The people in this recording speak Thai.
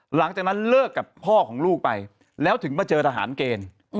หลังจากนั้นเลิกกับพ่อของลูกไปแล้วถึงมาเจอทหารเกณฑ์